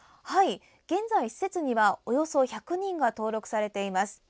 現在、施設にはおよそ１００人が登録されています。